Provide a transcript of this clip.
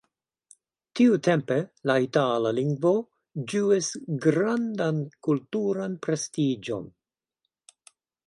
Tiutempe, la itala lingvo ĝuis grandan kulturan prestiĝon.